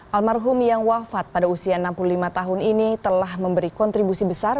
almarhum yang wafat pada usia enam puluh lima tahun ini telah memberi kontribusi besar